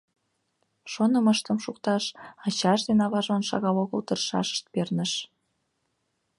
Шонымыштым шукташ ачаж ден аважлан шагал огыл тыршашышт перныш.